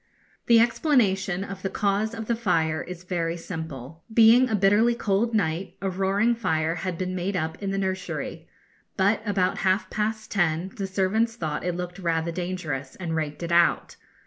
The explanation of the cause of the fire is very simple. Being a bitterly cold night, a roaring fire had been made up in the nursery, but about half past ten the servants thought it looked rather dangerous and raked it out.